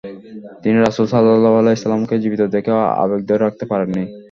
তিনি রাসূল সাল্লাল্লাহু আলাইহি ওয়াসাল্লাম-কে জীবিত দেখে আবেগ ধরে রাখতে পারেননি।